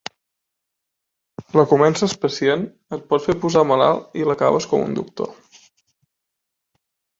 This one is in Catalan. La comences pacient, et pot fer posar malalt i l'acabes com un doctor.